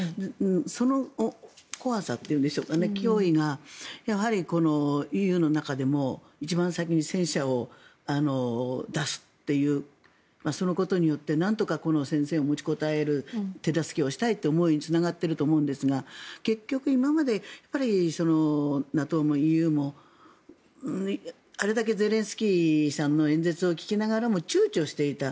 その怖さというんでしょうか脅威が、ＥＵの中でも一番先に戦車を出すというそのことによってなんとか戦線を持ちこたえる手助けをしたいという思いにつながっていると思うんですが結局、今までＮＡＴＯもＥＵもあれだけゼレンスキーさんの演説を聞きながらも躊躇していた。